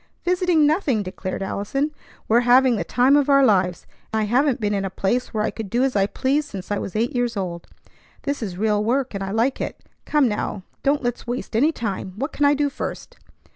"Visiting, nothing!" declared Allison; "we're having the time of our lives. I haven't been in a place where I could do as I pleased since I was eight years old. This is real work, and I like it. Come now, don't let's waste any time. What can I do first?